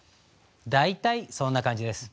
大体そんな感じです。